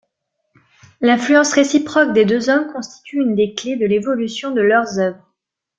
L'influence réciproque des deux hommes constitue une des clefs de l'évolution de leurs œuvres.